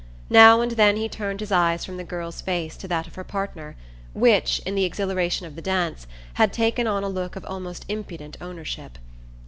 Now and then he turned his eyes from the girl's face to that of her partner, which, in the exhilaration of the dance, had taken on a look of almost impudent ownership.